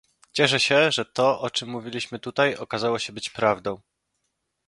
Cieszę się, że to, o czym mówiliśmy tutaj, okazało się być prawdą